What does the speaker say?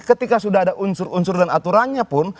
ketika sudah ada unsur unsur dan aturannya pun